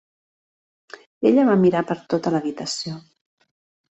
Ella va mirar per tota l"habitació.